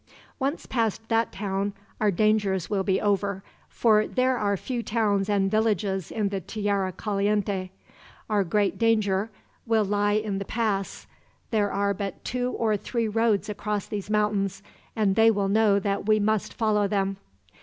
Once past that town our dangers will be over, for there are few towns and villages in the Tierra Caliente. Our great danger will lie in the pass. There are but two or three roads across these mountains, and they will know that we must follow them."